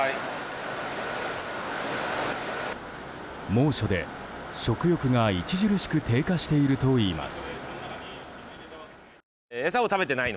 猛暑で食欲が著しく低下しているといいます。